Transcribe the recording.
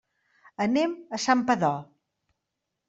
Anem a Santpedor.